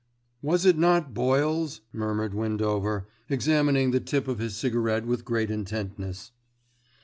"Was it not boils?" murmured Windover, examining the tip of his cigarette with great intentness.